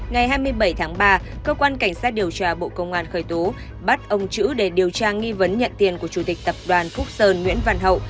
ngày hai mươi bảy tháng ba cơ quan cảnh sát điều tra bộ công an khởi tố bắt ông chữ để điều tra nghi vấn nhận tiền của chủ tịch tập đoàn phúc sơn nguyễn văn hậu